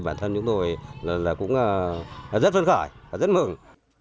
bản thân chúng tôi là cũng rất phân khởi và rất mừng